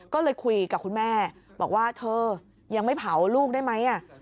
ก็เลยคุยกับคุณแม่บอกว่าเธอยังไม่เผาลูกได้ไหม